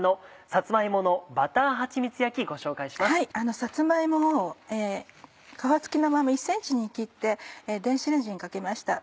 さつま芋を皮つきのまま１ｃｍに切って電子レンジにかけました